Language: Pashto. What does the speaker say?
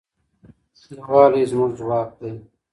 یووالی زموږ ځواک دی.